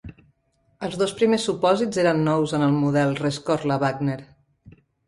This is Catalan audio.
Els dos primers supòsits eren nous en el model Rescorla-Wagner.